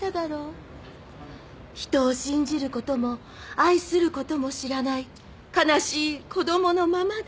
「人を信じることも愛することも知らない悲しい子供のままで」